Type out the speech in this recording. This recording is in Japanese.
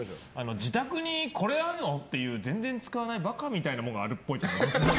自宅にこれあるの？っていう全然使わないバカみたいなものがあるっぽい。